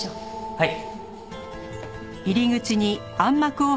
はい。